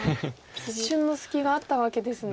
一瞬の隙があったわけですね。